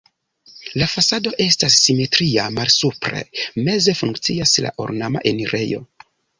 La fasado estas simetria, malsupre meze funkcias la ornama enirejo.